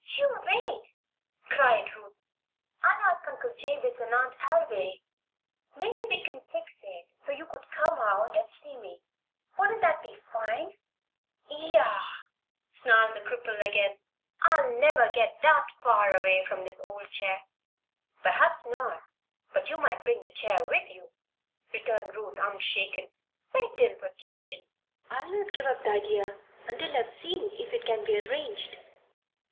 "You wait!" cried Ruth. "I'll ask Uncle Jabez and Aunt Alviry. Maybe we can fix it so you could come out and see me. Wouldn't that be fine?" "Yah!" snarled the cripple again. "I'll never get that far away from this old chair." "Perhaps not; but you might bring the chair with you," returned Ruth, unshaken. "Wait till vacation. I'll not give up the idea until I've seen if it can't be arranged."